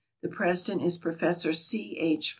The president is Professor C. H.